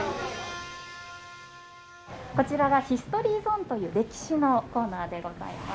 こちらがヒストリーゾーンという歴史のコーナーでございます。